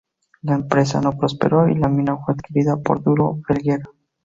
La empresa no prosperó y la mina fue adquirida por Duro Felguera.